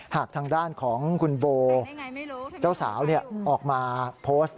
หากทางด้านของคุณโบเจ้าสาวออกมาโพสต์